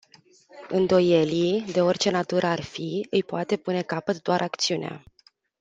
Îndoielii, de orice natură ar fi, îi poate pune capăt doar acțiunea.